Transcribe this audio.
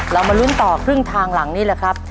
เรามาลุ้นต่อครึ่งทางหลังนี้แหละครับ